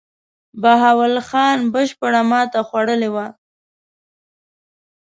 بهاول خان بشپړه ماته خوړلې وه.